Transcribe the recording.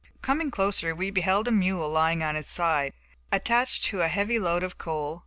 Coming closer we beheld a mule lying on his side, attached to a heavy load of coal.